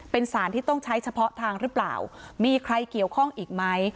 เป็นสารที่ต้องใช้เฉพาะทางหรือเปล่ามีใครเกี่ยวข้องอีกไหม